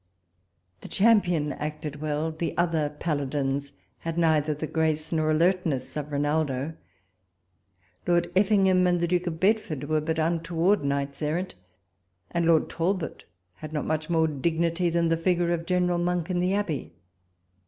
The Champion acted well ; the other Paladins had neither the grace nor alertness of llinaldo. Lord Effingham and the Duke of Bedford were but untoward knights errant ; and Lord Talbot had not much more dignity than the figure of General Monk in the Abbey.